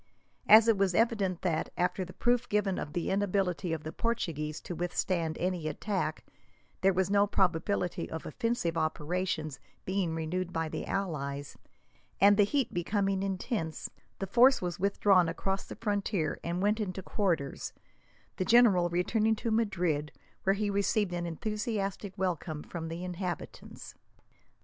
As it was evident that, after the proof given of the inability of the Portuguese to withstand any attack, there was no probability of offensive operations being renewed by the allies; and, the heat becoming intense, the force was withdrawn across the frontier and went into quarters, the general returning to Madrid, where he received an enthusiastic welcome from the inhabitants.